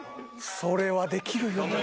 それはできるよ。